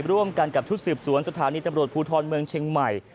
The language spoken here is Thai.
ร่วมกันกับชุดสืบสวนสถานีตำรวจภูทรเมืองเชียงใหม่